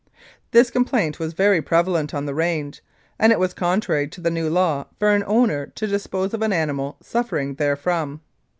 This complaint was very prevalent on the range, and it was contrary to the new law for an owner to dispose of an animal suffering therefrom.